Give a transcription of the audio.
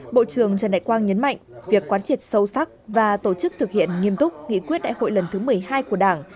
bộ trưởng trần đại quang nhấn mạnh việc quán triệt sâu sắc và tổ chức thực hiện nghiêm túc nghị quyết đại hội lần thứ một mươi hai của đảng